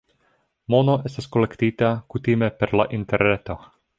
Mono estas kolektita kutime per la Interreto.